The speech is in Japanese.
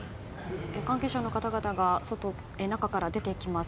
関係者の方々が中から出てきます。